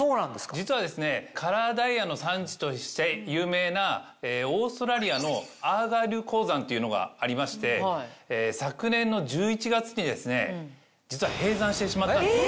実はカラーダイヤの産地として有名なオーストラリアのアーガイル鉱山というのがありまして昨年の１１月に実は閉山してしまったんですね。